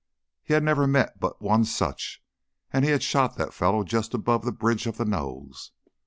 He had never met but one such, and he had shot that fellow just above the bridge of the nose.